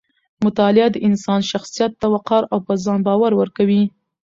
مطالعه د انسان شخصیت ته وقار او په ځان باور ورکوي.